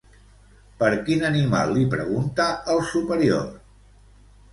Per quin animal li pregunta el superior?